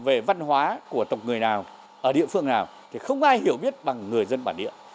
về văn hóa của tộc người nào ở địa phương nào thì không ai hiểu biết bằng người dân bản địa